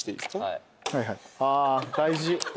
ああ大事。